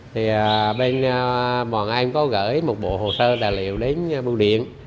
thì bên quảng nam có gửi một bộ hồ sơ tài liệu đến bô điện